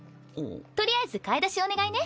取りあえず買い出しお願いね。